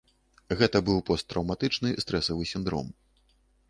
Гэта быў посттраўматычны стрэсавы сіндром.